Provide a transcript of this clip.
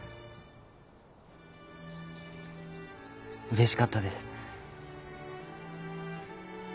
うれしかったです。